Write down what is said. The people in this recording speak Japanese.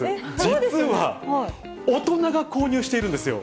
実は、大人が購入しているんですよ。